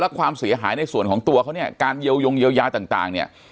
แล้วความเสียหายในส่วนของตัวเขาการเย่วยงเย่วยาต่าง